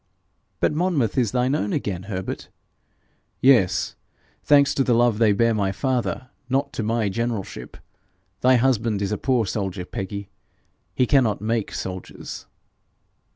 'But Monmouth is thine own again, Herbert!' 'Yes thanks to the love they bear my father, not to my generalship! Thy husband is a poor soldier, Peggy: he cannot make soldiers.'